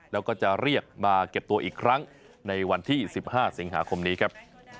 แล้วก็จะเรียกมาเก็บตัวอีกครั้งในวันที่๑๕สิงหาคมนี้ครับ